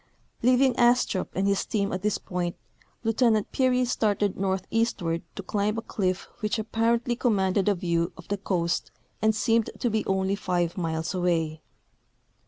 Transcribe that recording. Leaving Astrup and his team at this point. Lieutenant Peary started northeastward to climb a cliff which apparently com manded a view of the coast and seemed to be only five miles away.